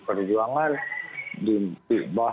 perjuangan di bawah